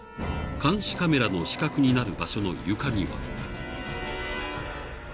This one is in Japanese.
［監視カメラの死角になる場所の床には］